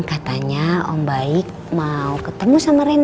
katanya om baik mau ketemu sama rina